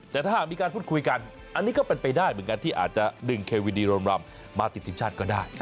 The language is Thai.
แต่ถ้าหากมีการพูดคุยกันอันนี้ก็เป็นไปได้เหมือนกันที่อาจจะดึงเควินดีโรมรำมาติดทีมชาติก็ได้